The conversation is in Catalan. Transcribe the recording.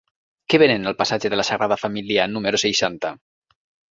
Què venen al passatge de la Sagrada Família número seixanta?